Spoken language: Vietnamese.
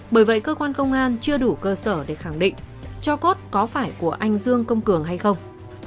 bởi vậy cơ quan công an chưa đủ cơ sở để khẳng định cho cốt có phải của anh dương công cường hay không